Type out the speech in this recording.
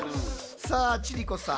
さあ千里子さん。